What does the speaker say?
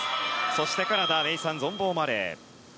そしてカナダネーサン・ゾンボーマレー。